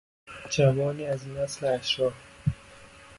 جوانی از نسل اشراف